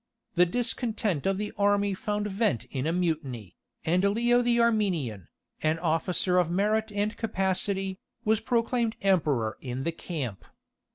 The discontent of the army found vent in a mutiny, and Leo the Armenian, an officer of merit and capacity, was proclaimed emperor in the camp.